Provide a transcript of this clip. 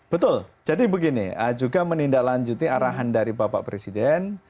betul jadi begini juga menindaklanjuti arahan dari bapak presiden